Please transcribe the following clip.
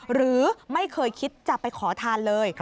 หรือไม่เคยคิดจะไปขอทานเลย